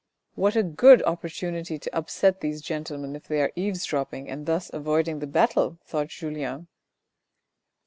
" What a good opportunity to upset these gentlemen, if they are eavesdropping, and thus avoiding the battle," thought Julien.